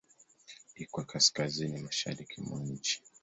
Iko kaskazini-mashariki mwa nchi.